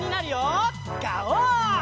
ガオー！